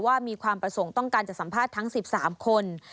มีความประสงค์ต้องการจะสัมภาษณ์ทั้ง๑๓คน